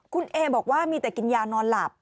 คุณเอบอกว่ามีแต่กินยานอนหลับ